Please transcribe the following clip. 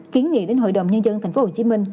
ký nghị đến hội đồng nhân dân tp hcm